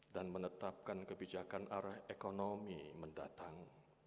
dan menetapkan kebijakan arah ekonomi mendatang